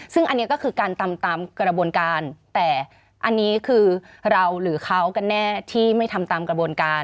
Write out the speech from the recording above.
ซึ่งอันนี้ก็คือการทำตามกระบวนการแต่อันนี้คือเราหรือเขากันแน่ที่ไม่ทำตามกระบวนการ